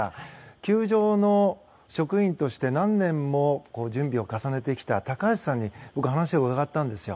球場の職員として何年も準備を重ねてきた高橋さんにお話を伺ったんですよ。